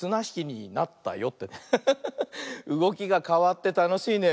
うごきがかわってたのしいね。